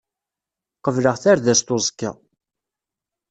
Qebleɣ tardast uẓekka.